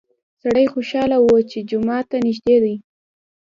سړی خوشحاله و چې جومات ته نږدې دی.